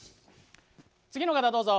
「次の方どうぞ」。